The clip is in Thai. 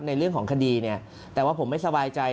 ในเรื่องของคดีเนี่ยแต่ว่าผมไม่สบายใจ